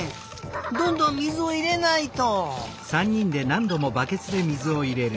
どんどん水をいれないと！